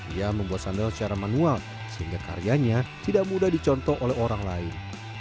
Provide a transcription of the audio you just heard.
ia membuat sandal secara manual sehingga karyanya tidak mudah dicontoh oleh orang lain